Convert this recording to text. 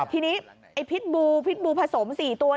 ทีนี้ไอ้พิษบูพิษบูผสม๔ตัว